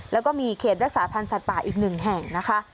แล้วก็มีเขตรักษาพันธ์สัตว์ป่าอีกหนึ่งแห่งนะคะ